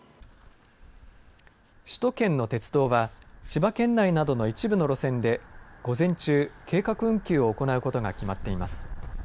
首都圏の鉄道は千葉県内などの一部の路線で午前中、計画運休を行うことが決まっています。